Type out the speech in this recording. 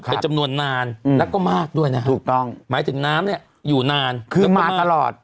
เป็นจำนวนนานแล้วก็มากด้วยนะฮะถูกต้องหมายถึงน้ำเนี่ยอยู่นานคือมาตลอด